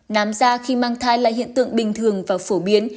nám da khi mang thai là hiện tượng bình thường và phổ biến